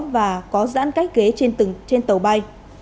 và có giãn cách ghế trên tàu bay